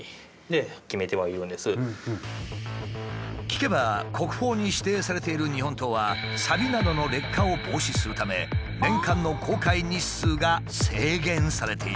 聞けば国宝に指定されている日本刀はさびなどの劣化を防止するため年間の公開日数が制限されているという。